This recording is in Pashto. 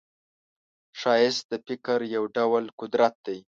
ښایست د فکر یو ډول قدرت دی